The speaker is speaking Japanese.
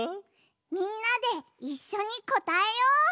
みんなでいっしょにこたえよう！